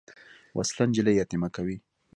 وسله نجلۍ یتیمه کوي